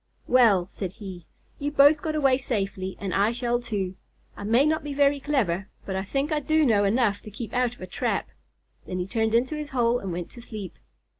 "Well," said he, "you both got away safely, and I shall too. I may not be very clever, but I think I do know enough to keep out of a trap." Then he turned into his hole and went to sleep.